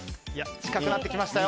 近くなってきましたよ。